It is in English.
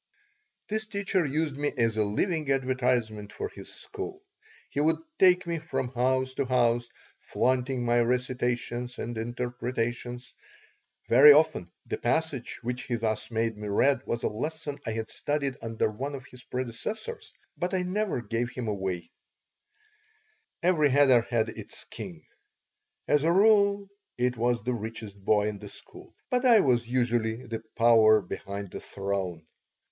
This teacher used me as a living advertisement for his school. He would take me from house to house, flaunting my recitations and interpretations. Very often the passage which he thus made me read was a lesson I had studied under one of his predecessors, but I never gave him away Every cheder had its king. As a rule, it was the richest boy in the school, but I was usually the power behind the throne.